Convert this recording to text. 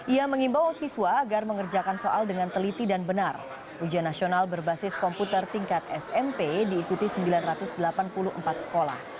ia mengimbau siswa agar mengerjakan soal dengan teliti dan benar ujian nasional berbasis komputer tingkat smp diikuti sembilan ratus delapan puluh empat sekolah